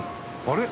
あれ？